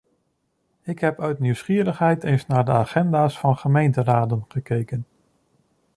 Ik heb uit nieuwsgierigheid eens naar de agenda’s van gemeenteraden gekeken.